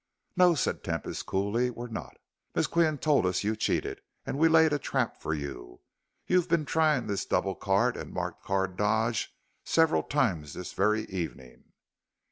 "No," said Tempest, coolly, "we're not. Miss Qian told us you cheated, and we laid a trap for you. You've been trying this double card and marked card dodge several times this very evening."